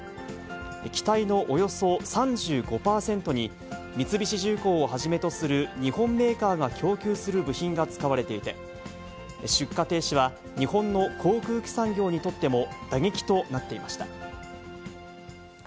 機体のおよそ３５％に、三菱重工をはじめとする、日本メーカーが供給する部品が使われていて、出荷停止は日本の航空機産業にとっても打撃となっていました。